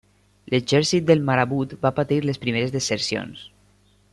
L'exèrcit del marabut va patir les primeres desercions.